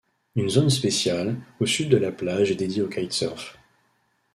Une zone spéciale, au sud de la plage est dédiée au kitesurf.